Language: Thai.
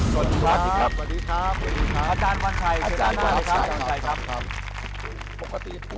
สวัสดีครับอาจารย์วันชัยเชิญหน้าเลยครับ